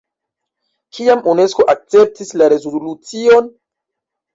Kiam Unesko akceptis la rezolucion?